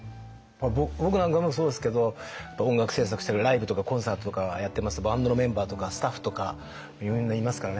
僕なんかもそうですけど音楽制作してライブとかコンサートとかやってますとバンドのメンバーとかスタッフとかみんないますからね。